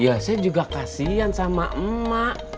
ya saya juga kasihan sama mak mak